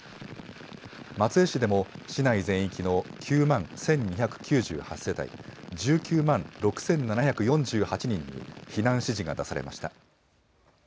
松江市でも市内全域の９万１２９８世帯１９万６７４８人に避難指示が出されました。